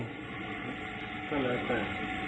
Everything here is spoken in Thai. ก็เลยเปิด